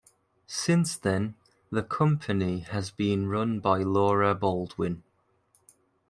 Since then, the company has been run by Laura Baldwin.